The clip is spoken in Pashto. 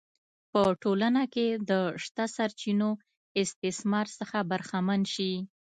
په ټولنه کې د شته سرچینو استثمار څخه برخمن شي.